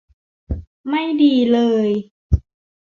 ไม่ดีเลย